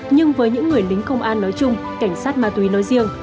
nhưng với những người lính công an nói chung cảnh sát ma túy nói riêng